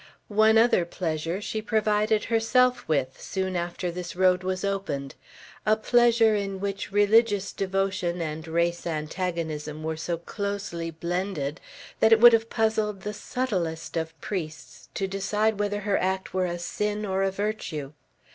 One other pleasure she provided herself with, soon after this road was opened, a pleasure in which religious devotion and race antagonism were so closely blended that it would have puzzled the subtlest of priests to decide whether her act were a sin or a virtue.